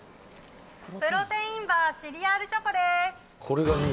プロテインバーシリアルチョコです。